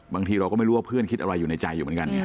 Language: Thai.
บางทีเราก็ไม่รู้ว่าเพื่อนคิดอะไรอยู่ในใจอยู่เหมือนกัน